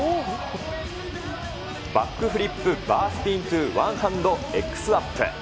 バックフリップ・バースピントゥワンハンドエックスアップ。